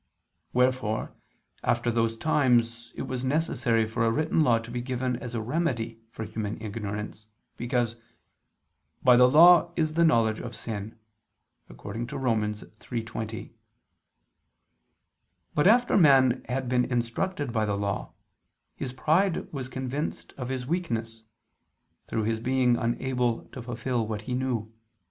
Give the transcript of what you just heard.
Wherefore, after those times, it was necessary for a written law to be given as a remedy for human ignorance: because "by the Law is the knowledge of sin" (Rom. 3:20). But, after man had been instructed by the Law, his pride was convinced of his weakness, through his being unable to fulfil what he knew.